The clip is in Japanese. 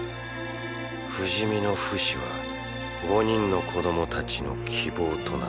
不死身のフシは５人の子供たちの希望となった。